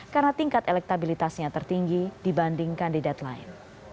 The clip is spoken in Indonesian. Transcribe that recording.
karena tingkat elektabilitasnya tertinggi dibanding kandidat lain